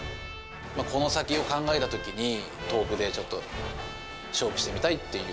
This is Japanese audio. この先を考えたときに、豆腐でちょっと勝負してみたいっていう。